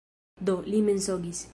Do, li mensogis.